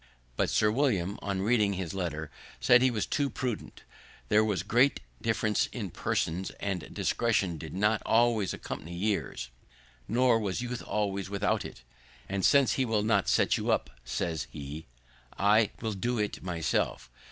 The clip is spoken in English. But Sir William, on reading his letter, said he was too prudent. There was great difference in persons; and discretion did not always accompany years, nor was youth always without it. "And since he will not set you up," says he, "I will do it myself.